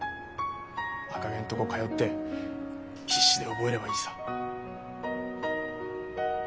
赤ゲンとこ通って必死で覚えればいいさ。